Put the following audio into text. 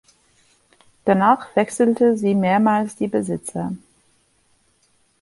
Danach wechselte sie mehrmals die Besitzer.